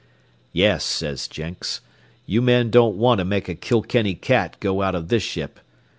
"Yes," said Jenks, "you men don't want to make a Kilkenny cat go out of this ship.